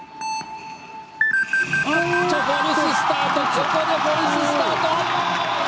ここでフォルススタート！